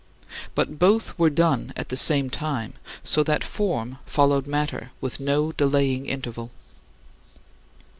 But both were done at the same time, so that form followed matter with no delaying interval.